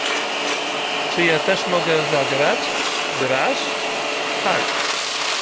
— Czy ja też mogę zagrać? — Grasz? — Tak.